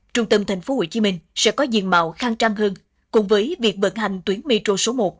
trung tâm tp hcm sẽ có diện mạo khang trang hơn cùng với việc vận hành tuyến metro số một